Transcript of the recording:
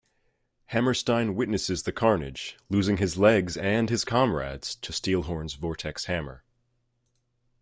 Hammerstein witnesses the carnage, losing his legs and his comrades to Steelhorns vortex hammer.